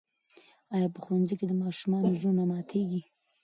آیا په ښوونځي کې د ماشومانو زړونه ماتېږي؟